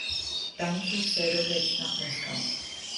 Dann zog Seldowitsch nach Moskau.